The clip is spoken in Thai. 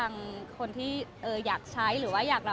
มันเป็นปัญหาจัดการอะไรครับ